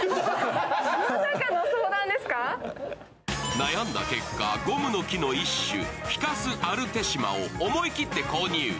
悩んだ結果、ゴムの木の一種、フィカスアルテシマを思い切って購入。